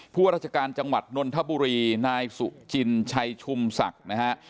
ว่าราชการจังหวัดนนทบุรีนายสุจินชัยชุมศักดิ์นะฮะ